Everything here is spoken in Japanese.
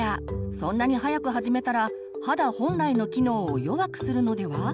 そんなに早く始めたら肌本来の機能を弱くするのでは？